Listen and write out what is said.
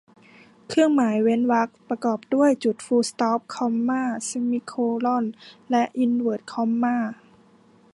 เครื่องหมายเว้นวรรคประกอบด้วย จุดฟูลสต๊อป คอมม่า เซมิโคล่อน และอินเวิร์ทคอมม่า